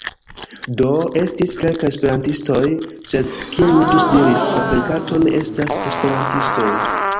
Do, estis kelkaj Esperantistoj, sed, kiel mi ĵus diris, la plejparto ne estas Esperantistoj.